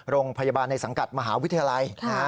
โรงพยาบาลในสังกัดมหาวิทยาลัย